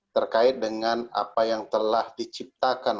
terkait dengan apa yang telah diciptakan